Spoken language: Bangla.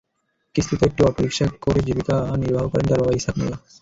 কিস্তিতে একটি অটোরিকশা কিনে জীবিকা নির্বাহ করেন তাঁর বাবা ইসহাক মোল্লা।